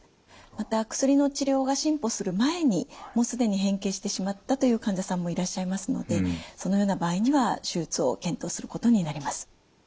また薬の治療が進歩する前にもうすでに変形してしまったという患者さんもいらっしゃいますのでそのような場合には手術を検討することになります。